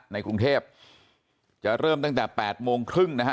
ในกรุงเทพจะเริ่มตั้งแต่๘โมงครึ่งนะฮะ